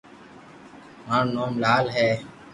مارو نوم لال ھي